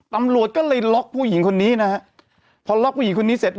ตำรวจก็เลยล็อกผู้หญิงคนนี้นะฮะพอล็อกผู้หญิงคนนี้เสร็จ